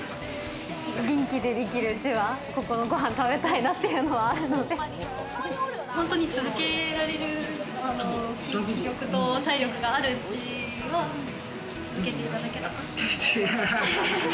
元気でできるうちは、ここのご飯食べたいなっていうのはあるので本当に続けられる気力と体力があるうちは続けていただけたらなと。